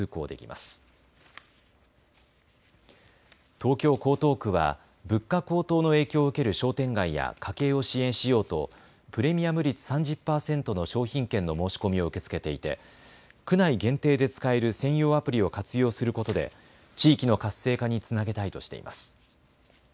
東京江東区は物価高騰の影響を受ける商店街や家計を支援しようとプレミアム率３０％の商品券の申し込みを受け付けていて区内限定で使える専用アプリを活用することで地域の活性化につなげたいとしています。